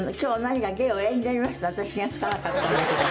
私気がつかなかったんだけど。